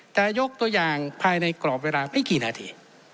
แต่ยกตัวอย่างภายในกรอบเวลาไม่กี่นาที